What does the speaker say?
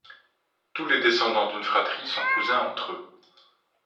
Tous les descendants d'une fratrie sont cousins entre eux.